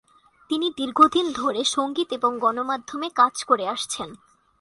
তিনি দীর্ঘ দিন ধরে সঙ্গীত এবং গণমাধ্যমে কাজ করে আসছেন।